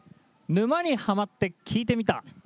「沼にハマってきいてみた」。